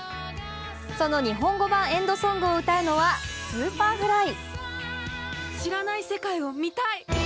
その日本語版エンドソングを歌うのはＳｕｐｅｒｆｌｙ。